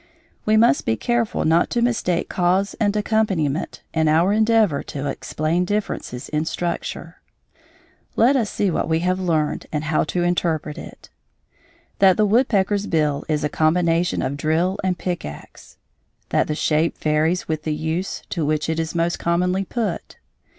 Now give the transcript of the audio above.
We must be careful not to mistake cause and accompaniment in our endeavor to explain differences in structure. Let us see what we have learned and how to interpret it: That the woodpecker's bill is a combination of drill and pick axe. That the shape varies with the use to which it is most commonly put.